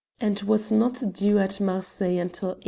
and was not due at Marseilles until 8.